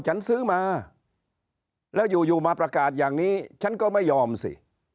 ฉันซื้อมาแล้วอยู่อยู่มาประกาศอย่างนี้ฉันก็ไม่ยอมสิ